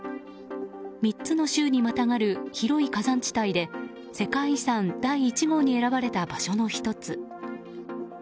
３つの州にまたがる広い火山地帯で世界遺産第１号に選ばれた場所の１つ。